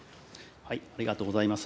ありがとうございます。